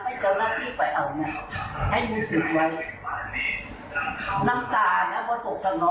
พักมือก์บอกว่าเนี้ยเมียนี่น่ะเป็นคนจับอ่ะ